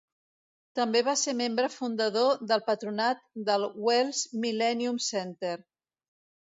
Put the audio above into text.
També va ser membre fundador del patronat del Wales Millennium Center.